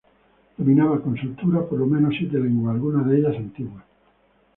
Dominaba con soltura por lo menos siete lenguas, algunas de ellas antiguas.